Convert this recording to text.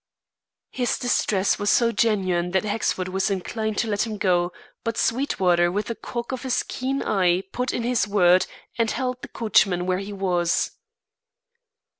His distress was so genuine that Hexford was inclined to let him go; but Sweetwater with a cock of his keen eye put in his word and held the coachman where he was.